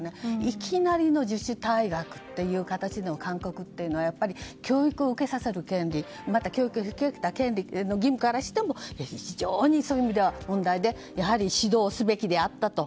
いきなりの自主退学っていう形の勧告というのは教育を受けさせる権利また、教育を受ける義務からしても非常にそういう意味では問題でやはり指導すべきであったと。